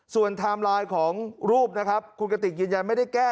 ส่วนไทม์ไลน์ของรูปนะครับคุณกติกยืนยันไม่ได้แก้